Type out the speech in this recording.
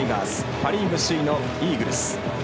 パ・リーグ首位のイーグルス。